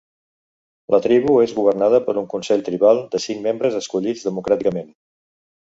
La tribu és governada per un consell tribal de cinc membres escollits democràticament.